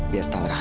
biar tahu rasa